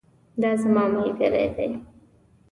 دا زما ملګری دی